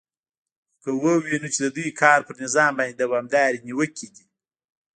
خو که ووینو چې د دوی کار پر نظام باندې دوامدارې نیوکې دي